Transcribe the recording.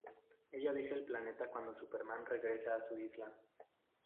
Ella Deja el planeta cuando Superman regresa a su isla.